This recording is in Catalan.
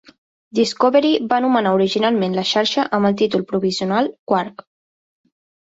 Discovery va anomenar originalment la xarxa amb el títol provisional Quark!